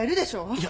いや。